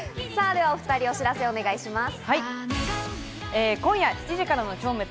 ではお２人、お知らせお願いします。